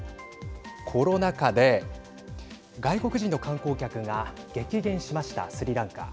コロナ禍で外国人の観光客が激減しましたスリランカ。